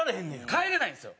帰れないんですよ。